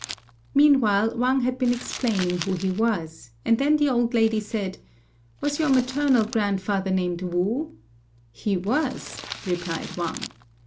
Meanwhile, Wang had been explaining who he was; and then the old lady said, "Was your maternal grandfather named Wu?" "He was," replied Wang.